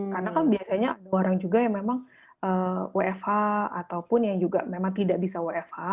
karena kan biasanya ada orang juga yang memang wfh ataupun yang juga memang tidak bisa wfh